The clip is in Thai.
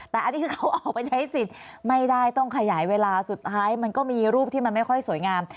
แต่อันนี้คือเขาออกไปใช้สิทธิ์ไม่ได้ต้องขยายเวลาสุดท้ายมันก็มีรูปที่มันไม่ค่อยสวยงาม